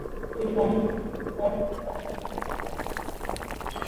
তিনি Pakistan peoples party Punjab মহিলা শাখার সভাপতি নিযুক্ত হন।